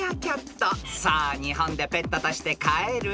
［さあ日本でペットとして飼える？